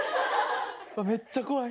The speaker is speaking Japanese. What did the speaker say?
めっちゃ怖い。